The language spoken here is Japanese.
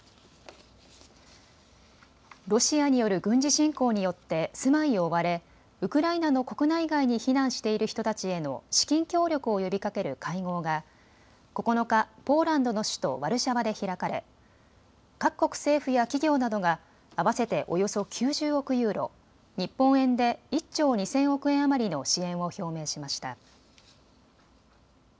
ロシアによる軍事侵攻によって住まいを追われウクライナの国内外に避難している人たちへの資金協力を呼びかける会合が９日、ポーランドの首都ワルシャワで開かれ各国政府や企業などが合わせておよそ９０億ユーロ、日本円で１兆２０００億円余りの支援を表明しました。